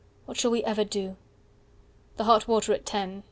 What shall we ever do?" The hot water at ten.